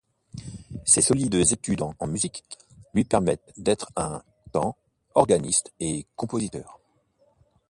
Ses solides études en musique lui permettent d’être un temps organiste et compositeur.